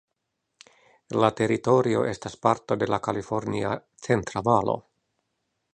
La teritorio estas parto de la Kalifornia Centra Valo.